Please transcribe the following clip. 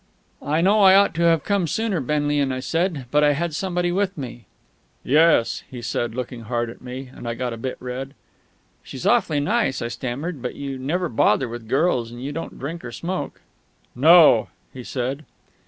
"I know I ought to have come sooner, Benlian," I said, "but I had somebody with me." "Yes," he said, looking hard at me; and I got a bit red. "She's awfully nice," I stammered; "but you never bother with girls, and you don't drink or smoke " "No," he said.